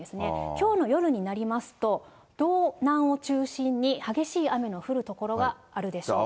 きょうの夜になりますと、道南を中心に激しい雨の降る所があるでしょう。